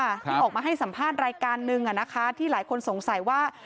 ที่ออกมาให้สัมภาษณ์รายการนึงที่หลายคนสงสัยว่า